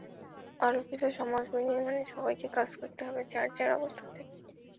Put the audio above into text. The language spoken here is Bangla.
আলোকিত সমাজ বিনির্মাণে সবাইকে কাজ করতে হবে যার যার অবস্থান থেকে।